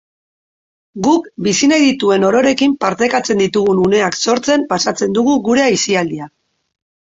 Guk bizi nahi dituen ororekin partekatzen ditugun uneak sortzen pasatzen dugu gure aisialdia.